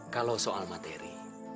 kalau soal materi